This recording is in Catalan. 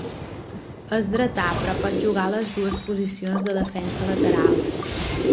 És dretà, però pot jugar a les dues posicions de defensa lateral.